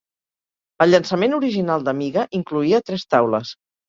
El llançament original d'Amiga incloïa tres taules.